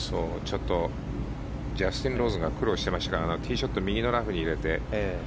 ジャスティン・ローズが苦労してましたがティーショットを右のラフに入れて。